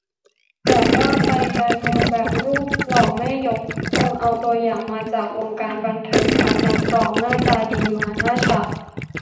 จะว่าไป การเมืองแบบรูปหล่อแม่ยก คงเอาตัวอย่างมาจากวงการบันเทิง คัดนักร้องหน้าตาดีมาหน้าฉาก